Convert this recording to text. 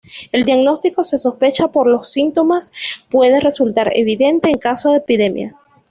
El diagnóstico se sospecha por los síntomas, puede resultar evidente en caso de epidemia.